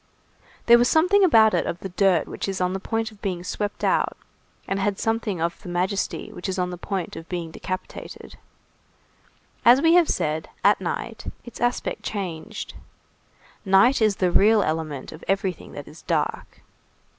There was something about it of the dirt which is on the point of being swept out, and something of the majesty which is on the point of being decapitated. As we have said, at night, its aspect changed. Night is the real element of everything that is dark.